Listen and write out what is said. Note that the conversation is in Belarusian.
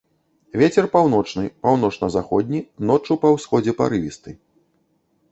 Вецер паўночны, паўночна-заходні, ноччу па ўсходзе парывісты.